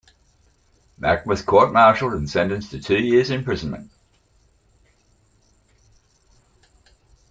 Mack was court-martialed and sentenced to two years' imprisonment.